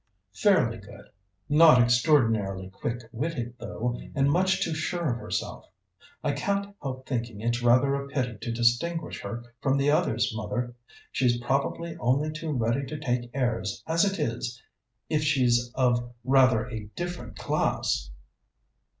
"Fairly good. Not extraordinarily quick witted, though, and much too sure of herself. I can't help thinking it's rather a pity to distinguish her from the others, mother; she's probably only too ready to take airs as it is, if she's of rather a different class."